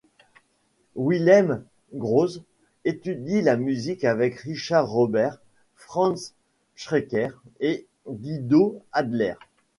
Wilhelm Grosz étudie la musique avec Richard Robert, Franz Schreker et Guido Adler.